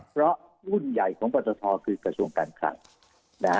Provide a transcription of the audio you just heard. เพราะหุ้นใหญ่ของปตทคือกระทรวงการคลังนะฮะ